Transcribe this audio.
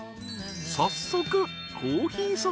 ［早速］